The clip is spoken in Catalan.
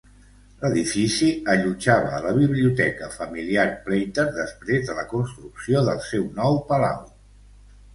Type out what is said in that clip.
L'edifici allotjava la biblioteca familiar Plater després de la construcció del seu nou palau.